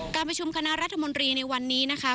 การประชุมคณะรัฐมนตรีในวันนี้นะคะ